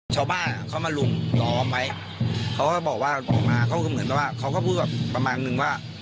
ชาวบ้านเขามาลุมล้อมไว้เขาก็บอกว่าออกมาเขาก็เหมือนกับว่าเขาก็พูดแบบประมาณนึงว่า